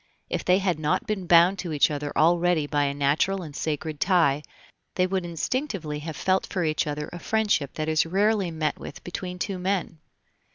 If they had not been bound to each other already by a natural and sacred tie, they would instinctively have felt for each other a friendship that is rarely met with between two men.